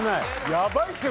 やばいっすよ